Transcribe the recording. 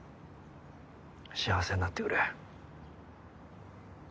幸せになってくれ。